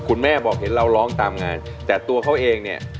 คุณแม่บอกเห็นเราร้องตามงานแต่ตัวเขาเองเนี่ย